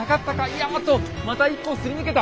いやおっとまた１個すり抜けた。